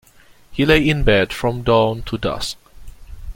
He lay in bed from dawn to dusk.